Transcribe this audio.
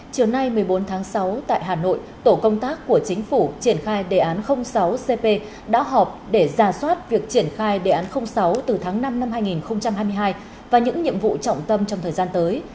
chiều nay một mươi bốn tháng sáu tại hà nội tổ công tác của chính phủ triển khai đề án sáu cp đã họp để ra soát việc triển khai đề án sáu từ tháng năm năm hai nghìn hai mươi hai và những nhiệm vụ trọng tâm trong thời gian tới